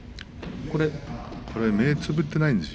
これは目はつぶっていないんですよ。